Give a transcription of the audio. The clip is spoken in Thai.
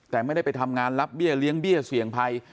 แต่ไม่ได้ไปทำงานรับเบี้ยเลี้ยงเบี้ยเสี่ยงภัย